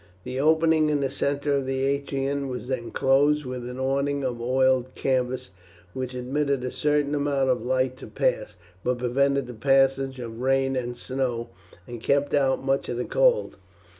The opening in the centre of the atrium was then closed with an awning of oiled canvas, which admitted a certain amount of light to pass, but prevented the passage of rain and snow, and kept out much of the cold.